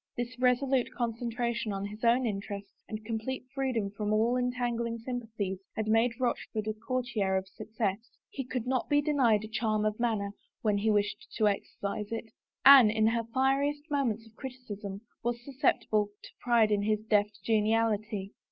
This resolute concentra tion on his own interests and complete freedom from all entangling S3rmpathies had made Rochford a courtier of 34 A ROSE AND SOME WORDS success. He could not be denied a charm of manner — when he wished to exercise it. Anne, in her fieriest moments of criticism, was susceptible to pride in his deft geniality.